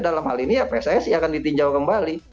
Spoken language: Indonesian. dalam hal ini ya pssi akan ditinjau kembali